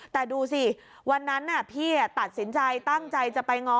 แต่ดูสิวันนั้นพี่ตัดสินใจตั้งใจจะไปง้อ